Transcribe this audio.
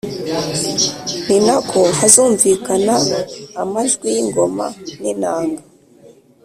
ni na ko hazumvikana amajwi y’ingoma n’inanga;